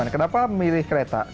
kenapa memilih kereta